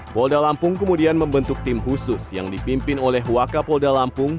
polda lampung kemudian membentuk tim khusus yang dipimpin oleh wakapolda lampung